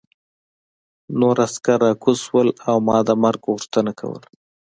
نور عسکر راکوز شول او ما د مرګ غوښتنه کوله